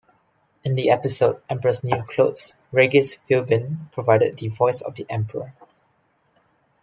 In the episode "Emperor's New Clothes", Regis Philbin provided the voice of the Emperor.